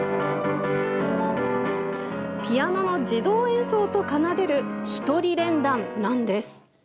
ピアノの自動演奏と奏でる、一人連弾なんです。